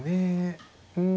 うん。